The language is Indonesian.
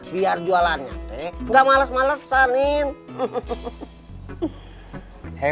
biar jualannya teh gak males malesanin